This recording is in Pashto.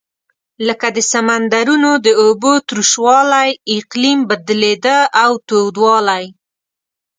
لکه د سمندرونو د اوبو تروش والۍ اقلیم بدلېده او تودوالی.